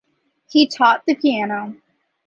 He taught the piano.